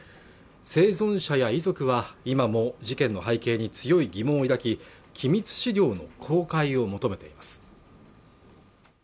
生存者や遺族は今も事件の背景に強い疑問を抱き機密資料の公開を求めています